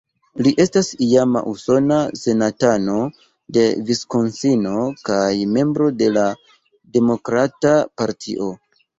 Li estas iama usona senatano de Viskonsino kaj membro de la Demokrata Partio.